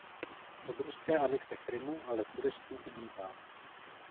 Od ruské anexe Krymu ale turistů ubývá.